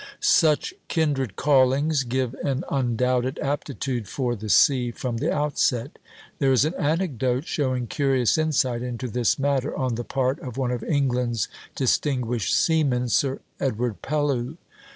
Such kindred callings give an undoubted aptitude for the sea from the outset. There is an anecdote showing curious insight into this matter on the part of one of England's distinguished seamen, Sir Edward Pellew.